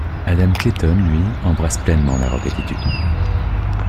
Adam Clayton lui, embrasse pleinement la rock attitude.